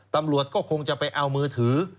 ตำรวจก็คงจะไปเอามือถือ